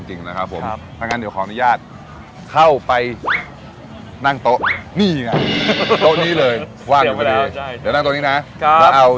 จาจังมียอนนะครับ